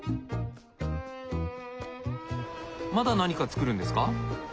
まだ何か作るんですか？